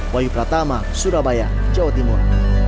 wahyu pratama surabaya jawa timur